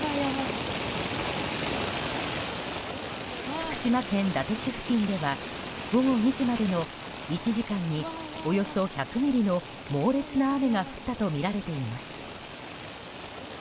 福島県伊達市付近では午後２時までの１時間におよそ１００ミリの、猛烈な雨が降ったとみられています。